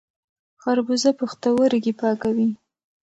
خربوزه پښتورګي پاکوي.